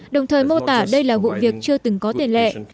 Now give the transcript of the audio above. đồng thời mô tả đây là vụ việc chưa từng có tiền lệ